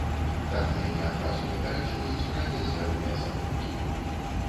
Там мяне адразу папярэджваюць пра мізэрныя заробкі.